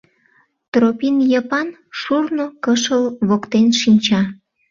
Тропин Йыпан шурно кышыл воктен шинча.